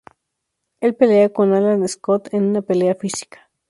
Él pelea con Alan Scott en una pelea física.